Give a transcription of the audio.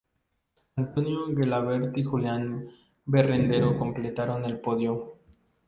Antonio Gelabert y Julián Berrendero completaron el podio.